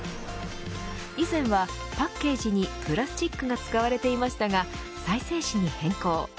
以前は、パッケージにプラスチックが使われていましたが再生紙に変更。